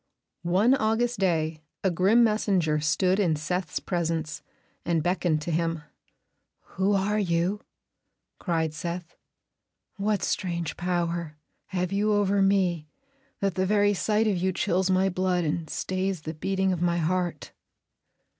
One August day a grim messenger stood in Seth's presence and beckoned to him. "Who are you?" cried Seth. "What strange power have you over me that the very sight of you chills my blood and stays the beating of my heart?"